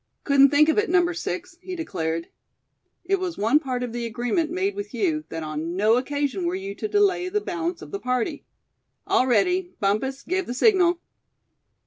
"Couldn't think of it, Number Six," he declared. "It was one part of the agreement made with you that on no occasion were you to delay the balance of the party. All ready; Bumpus, give the signal."